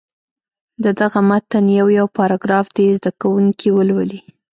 د دغه متن یو یو پاراګراف دې زده کوونکي ولولي.